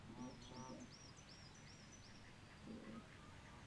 Propouštění a často vyhánění Češi odcházeli do Protektorátu.